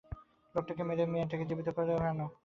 লোকটাকে মেরে মেয়েটাকে জীবিত ধরে আনো!